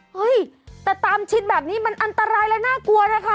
เฮ้ยแต่ตามชิดแบบนี้มันอันตรายและน่ากลัวนะคะ